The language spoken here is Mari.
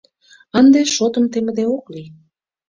Ынде шотым темыде ок лий.